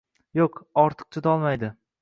Yo`q, ortiq chidolmaydi